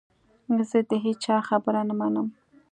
زه د هیچا خبره نه منم .